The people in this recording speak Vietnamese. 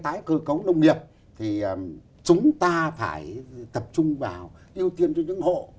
trong cái tái cơ cấu nông nghiệp thì chúng ta phải tập trung vào ưu tiên cho những hộ